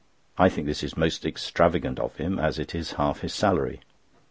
I think this is most extravagant of him, as it is half his salary.